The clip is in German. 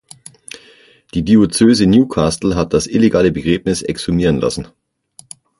Die Diözese Newcastle hat das illegale Begräbnis exhumieren lassen.